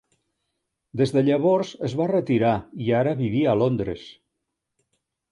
Des de llavors, es va retirar i ara vivia a Londres.